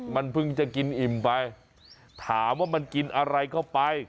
มันเพิ่งจะกินอิ่มไปถามว่ามันกินอะไรเข้าไป